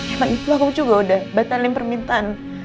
emang itu aku juga udah batalin permintaan